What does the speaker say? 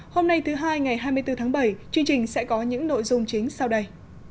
hôm nay thứ hai ngày hai mươi bốn tháng bảy chương trình sẽ có những nội dung chính sau đây